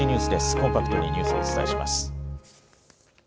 コンパクトにニュースをお伝えします。